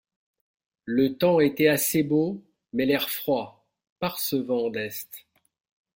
Le temps était assez beau, mais l’air froid, par ce vent d’est.